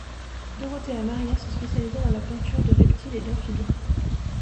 Dorothea Maria se spécialisa dans la peinture de reptiles et d'amphibiens.